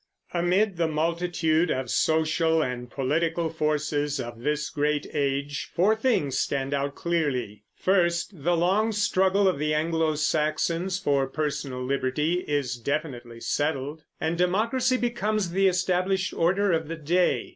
Amid the multitude of social and political forces of this great age, four things stand out clearly. First, the long struggle of the Anglo Saxons for personal liberty is definitely settled, and democracy becomes the established order of the day.